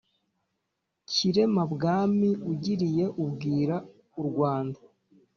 kirema-bwami ugiriye ubwira u rwanda.